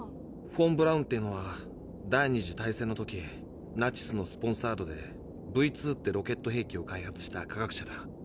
「フォン・ブラウン」は第二次大戦の時ナチスのスポンサードで「Ｖ２」ってロケット兵器を開発した科学者だ。